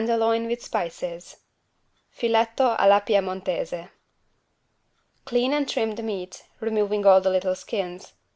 158 TENDERLOIN WITH SPICES (Filetto alla piemontese) Clean and trim the meat, removing all the little skins.